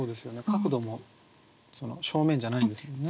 角度も正面じゃないんですもんね。